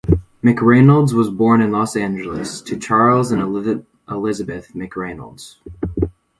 McReynolds was born in Los Angeles to Charles and Elizabeth McReynolds.